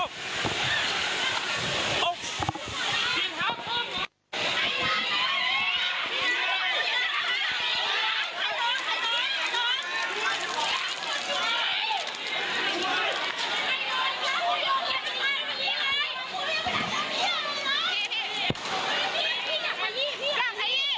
พี่อยากขยี้ขยี้